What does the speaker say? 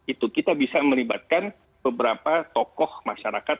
itu kita bisa melibatkan beberapa tokoh masyarakat